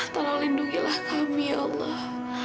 tolong lindungilah kami allah